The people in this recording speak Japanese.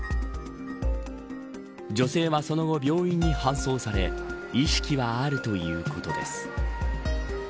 女性はその後、病院に搬送され意識はあるということです。